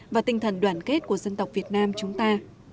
và tinh thần đoàn kết của dân tộc việt nam chúng ta